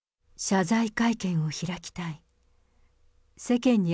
謝罪会見を開きたい。